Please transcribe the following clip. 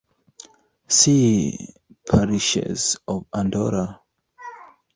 See "Parishes of Andorra".